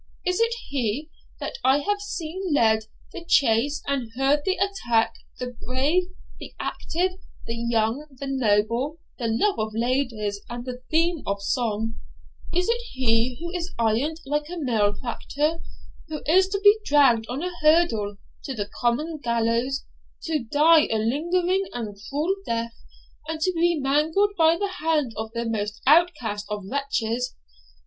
Is it he, that I have seen lead the chase and head the attack, the brave, the active, the young, the noble, the love of ladies, and the theme of song, is it he who is ironed like a malefactor, who is to be dragged on a hurdle to the common gallows, to die a lingering and cruel death, and to be mangled by the hand of the most outcast of wretches?